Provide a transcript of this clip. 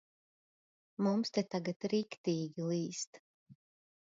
Mums te tagad riktīgi līst.